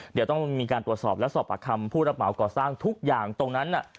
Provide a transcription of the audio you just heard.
เดี๋ยวต้องมีการตรวจสอบและสอบปากคำผู้รับเหมาก่อสร้างทุกอย่างตรงนั้น